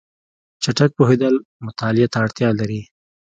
چټک پوهېدل مطالعه ته اړتیا لري.